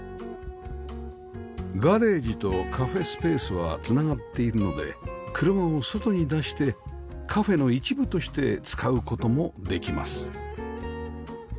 ガレージとカフェスペースはつながっているので車を外に出してカフェの一部として使う事もできます